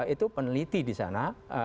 itu peneliti disana